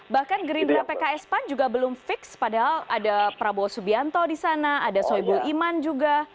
bahkan gerindra pks pan juga belum fix padahal ada prabowo subianto di sana ada soebul iman juga